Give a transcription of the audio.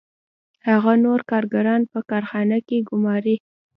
هغه نور کارګران په کارخانه کې ګوماري